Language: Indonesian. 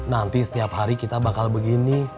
nanti setiap hari kita bakal begini